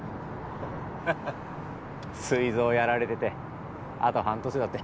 ハハッすい臓やられててあと半年だって